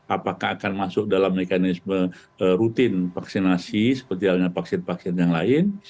apakah akan masuk dalam mekanisme rutin vaksinasi seperti halnya vaksin vaksin yang lain